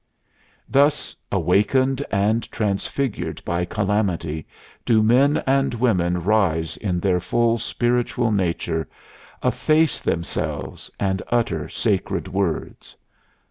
Thus awakened and transfigured by Calamity do men and women rise in their full spiritual nature, efface themselves, and utter sacred words.